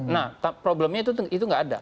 nah problemnya itu nggak ada